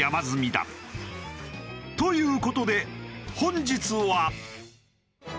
という事で本日は。